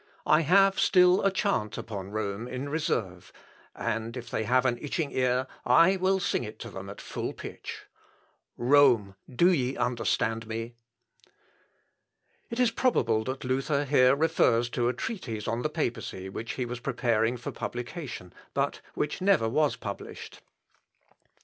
I have still a chant upon Rome in reserve, and if they have an itching ear, I will sing it to them at full pitch. Rome! do ye understand me?"... It is probable that Luther here refers to a treatise on the papacy which he was preparing for publication, but which never was published.